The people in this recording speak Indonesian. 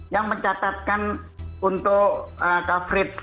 yang mencatatkan untuk coverage